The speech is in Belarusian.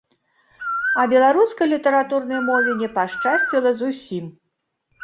А беларускай літаратурнай мове не пашчасціла зусім.